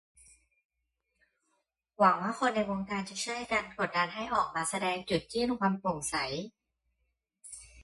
หวังว่าคนในวงการจะช่วยกันกดดันให้ออกมาแสดงจุดยื่นความโปร่งใส